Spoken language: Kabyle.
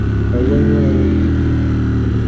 Ar wanwa ara yili?